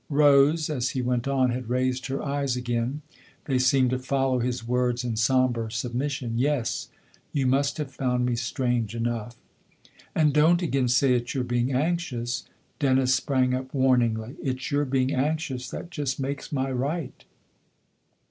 Rose, as he went on, had raised her eyes again ; they seemed to follow his words in sombre sub mission. " Yes, you must have found me strange enough." "And don't again say it's your being anxious !" Dennis sprang up warningly. " It's your being anxious that just makes my right."